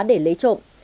để lấy trộm